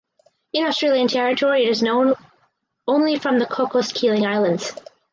In Australian territory it is known only from the Cocos (Keeling) Islands.